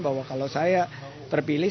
bahwa kalau saya terpilih